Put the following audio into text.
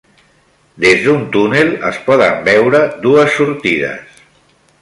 Des d'un túnel es poden veure dues sortides